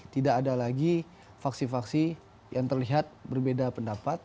tidak ada lagi faksi faksi yang terlihat berbeda pendapat